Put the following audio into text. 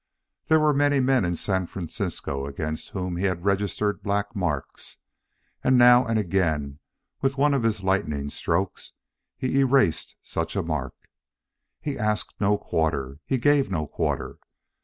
There were many men in San Francisco against whom he had registered black marks, and now and again, with one of his lightning strokes, he erased such a mark. He asked no quarter; he gave no quarter.